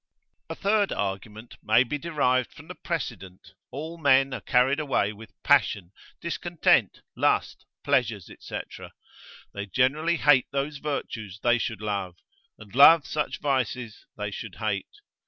A third argument may be derived from the precedent, all men are carried away with passion, discontent, lust, pleasures, &c., they generally hate those virtues they should love, and love such vices they should hate.